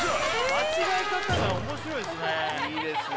間違え方が面白いですね